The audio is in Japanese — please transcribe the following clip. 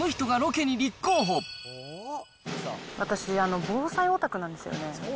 私、防災オタクなんですよね。